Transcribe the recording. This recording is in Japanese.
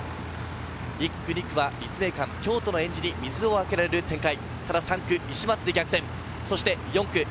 １区、２区は立命館、京都のえんじに水をあけられる展開。